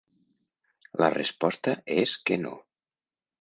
La resposta és que no.